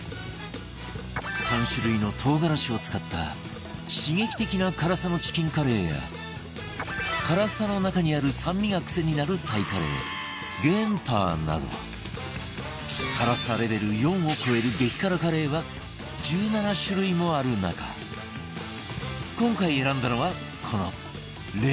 ３種類の唐辛子を使った刺激的な辛さのチキンカレーや辛さの中にある酸味が癖になるタイカレーゲーンパーなど辛さレベル４を超える激辛カレーは１７種類もある中今回選んだのはこのレッドカレー